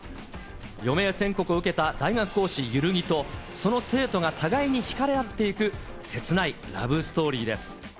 余命宣告を受けた大学講師、萬木と、その生徒が互いにひかれ合っていく、切ないラブストーリーです。